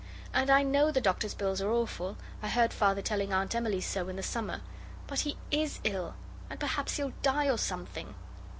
And I know the doctor's bills are awful. I heard Father telling Aunt Emily so in the summer. But he is ill, and perhaps he'll die or something.